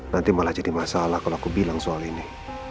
nanti malah jadi masalah kalau aku bilang soal ini